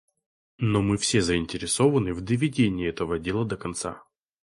Но мы все заинтересованы в доведении этого дела до конца.